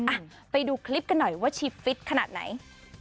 อ่ะไปดูคลิปกันหน่อยว่าชีฟิตขนาดไหน